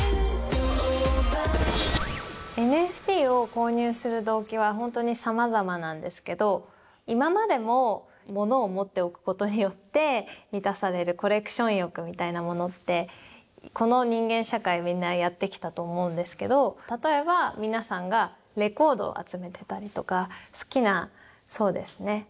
ＮＦＴを購入する動機は本当にさまざまなんですけど今までも物を持っておくことによって満たされるコレクション欲みたいなものってこの人間社会みんなやってきたと思うんですけど例えば皆さんがレコードを集めてたりとか好きなそうですね